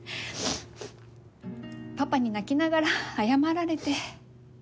パパに泣きながら謝られて。